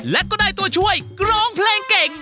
และก็ได้ตัวช่วยร้องเพลงเก่ง